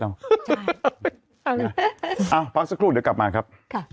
เอาพักสักครู่เดี๋ยวกลับมาครับ